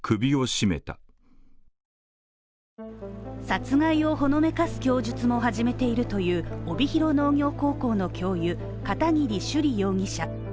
殺害をほのめかす供述を始めているという、帯広農業高校の教諭片桐朱璃容疑者。